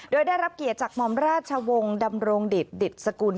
โดยได้รับเกียรติจากหม่อมราชวงศ์ดำรงดิตดิตสกุล